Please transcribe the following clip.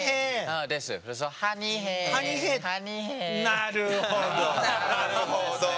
なるほど。